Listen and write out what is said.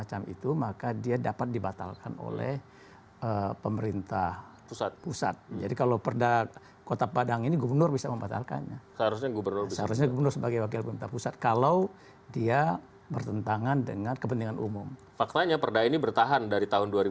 harus kita tertipkan orang yang berjualannya termasuk orang yang makannya begitu